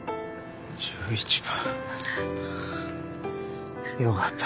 １１％よかった。